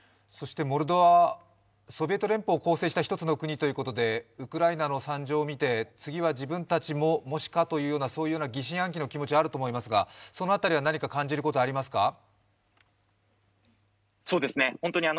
モルドバはソビエト連邦を構成した１つの国ということでウクライナの惨状を見て、次は自分たちももしかというようなそういう疑心暗鬼の気持ちあると思いますが、その辺りは何か感じることありますか？